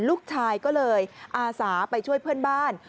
ลูกชายก็เลยอาสาไปช่วยเพื่อนบ้าน